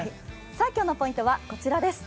今日ポイントはこちらです。